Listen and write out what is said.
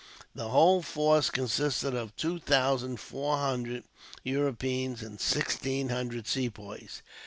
The whole force consisted of two thousand four hundred Europeans, and sixteen hundred Sepoys.